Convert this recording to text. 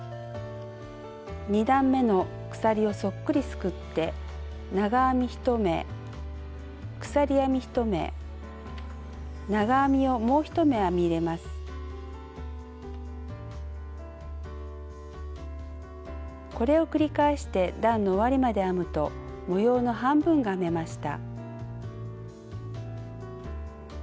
２段めの鎖をそっくりすくってこれを繰り返して段の終わりまで編むと模様の半分が編めました。